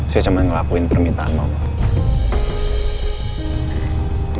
saya cuma ngelakuin permintaan maaf